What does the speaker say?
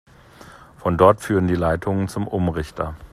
Von dort führen die Leitungen zum Umrichter.